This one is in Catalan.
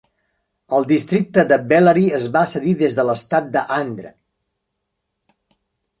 El districte de Bellary es va cedir des de l'estat de Andhra.